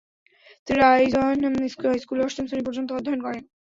তিনি রাউজান হাইস্কুলে অষ্টম শ্রেণী পর্যন্ত অধ্যয়ন করেন।